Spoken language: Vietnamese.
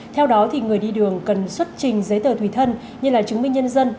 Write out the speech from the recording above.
theo đó người đi đường cần xuất trình giấy tờ thùy thân như chứng minh nhân dân